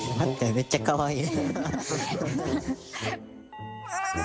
めっちゃかわいい！